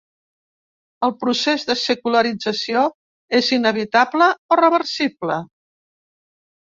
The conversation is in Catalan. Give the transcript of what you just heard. El procés de secularització és inevitable o reversible?